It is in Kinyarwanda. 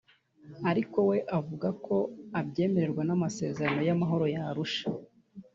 ariko we avuga ko abyemererwa n’amasezerano y’amahoro ya Arusha